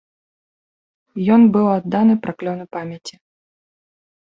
Ён быў адданы праклёну памяці.